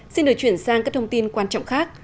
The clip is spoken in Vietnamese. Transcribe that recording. xin được chuyển sang các thông tin quan trọng khác